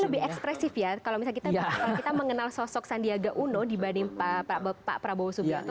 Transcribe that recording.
lebih ekspresif ya kalau misalnya kita mengenal sosok sandiaga uno dibanding pak prabowo subianto